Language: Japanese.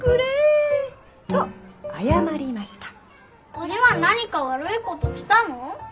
鬼は何か悪いことしたの？